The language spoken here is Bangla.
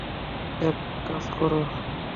এক কাজ করো।